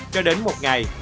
cho đến một ngày